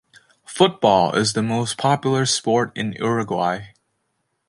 Football is the most popular sport in Uruguay.